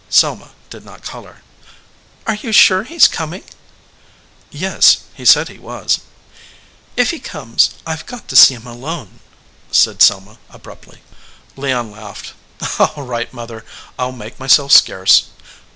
Selma did not color. "Are you sure he s com ing?" "Yes, he said he was." "If he comes, I ve got to see him alone," said Selma, abruptly. Leon laughed. "All right, mother. I ll make myself scarce."